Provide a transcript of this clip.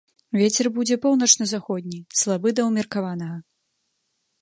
Вецер будзе паўночна-заходні, слабы да ўмеркаванага.